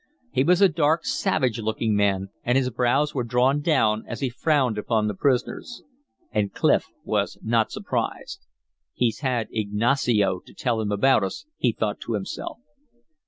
He was a dark, savage looking man, and his brows were drawn down as he frowned upon the prisoners. And Clif was not surprised. "He's had Ignacio to tell him about us," he thought to himself.